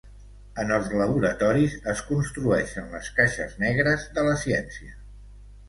En els laboratoris es construeixen les caixes negres de la ciència.